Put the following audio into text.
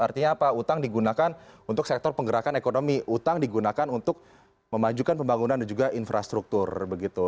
artinya apa utang digunakan untuk sektor penggerakan ekonomi utang digunakan untuk memajukan pembangunan dan juga infrastruktur begitu